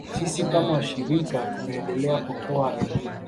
Sisi kama shirika tunaendelea kutoa elimu